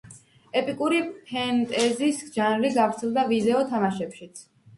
ეპიკური ფენტეზის ჟანრი გავრცელდა ვიდეო თამაშებშიც.